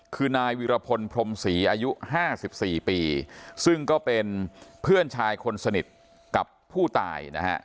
คือนายวิรพลพรมศรีอายุ๕๔ปีซึ่งก็เป็นเพื่อนชายคนสนิทกับผู้ตายนะฮะ